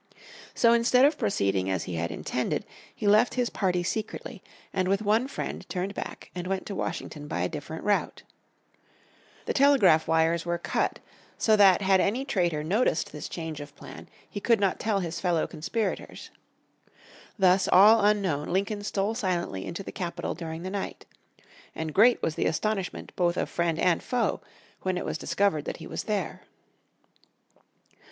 So instead of proceeding as he had intended, he left his party secretly, and with one friend turned back, and went to Washington by a different route. The telegraph wires were cut, so that had any traitor noticed this change of plan he could not tell his fellow conspirators. Thus, all unknown, Lincoln stole silently into the capital during the night. And great was the astonishment both of friend and foe when it was discovered that he was there.